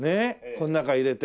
この中入れて。